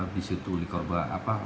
disitu dikorban apa